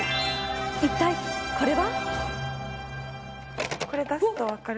一体これは。